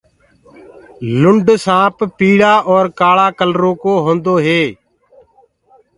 لُنڊ سآنپ پيݪآ اور ڪآۯآ ڪلرو ڪو هوندو هي۔